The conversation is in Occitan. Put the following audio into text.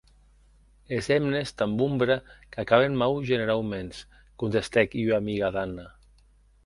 Es hemnes damb ombra qu'acaben mau generauments, contestèc ua amiga d'Anna.